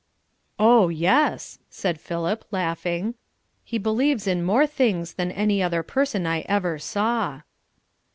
"Oh, yes," said Philip laughing, "he believes in more things than any other person I ever saw."